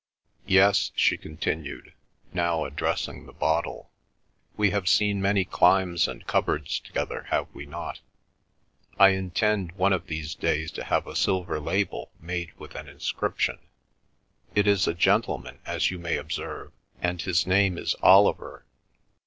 Yes," she continued, now addressing the bottle, "we have seen many climes and cupboards together, have we not? I intend one of these days to have a silver label made with an inscription. It is a gentleman, as you may observe, and his name is Oliver.